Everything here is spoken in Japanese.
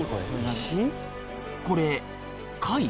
これ貝？